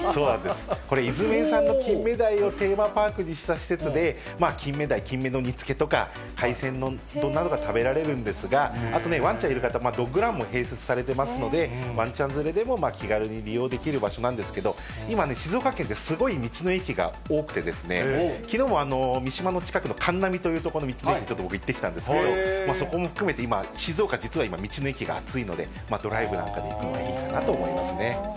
これ、伊豆名産の金目鯛をテーマパークにした施設で、金目鯛、金目の煮つけとか、海鮮丼などが食べられるんですが、あとね、わんちゃんいる方、ドッグランも併設されてますので、わんちゃん連れでも気軽に利用できる場所なんですけれども、今ね、静岡県で、すごい道の駅が多くて、きのうも三島の近くのかんなみという所の道の駅、僕ちょっと行ってきたんですけれども、そこも含めて今、静岡、実は道の駅が熱いので、ドライブなんかで行くのもいいかなと思いますね。